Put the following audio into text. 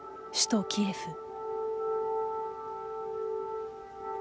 首都キエフ。